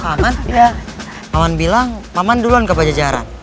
paman paman bilang paman duluan ke pajajaran